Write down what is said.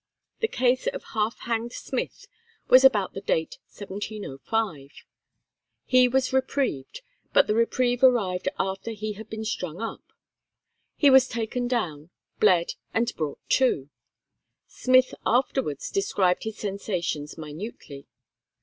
The case of half hanged Smith was about the date 1705. He was reprieved, but the reprieve arrived after he had been strung up; he was taken down, bled, and brought to. Smith afterwards described his sensations minutely.